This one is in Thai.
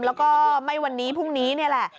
แล้วก็ไม่วันนี้พรุ่งนี้นี่แหละ